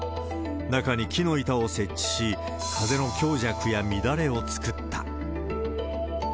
中に木の板を設置し、風の強弱や乱れを作った。